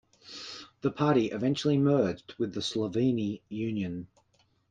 The party eventually merged with the Slovene Union.